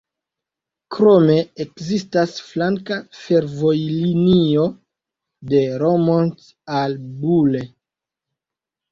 Krome ekzistas flanka fervojlinio de Romont al Bulle.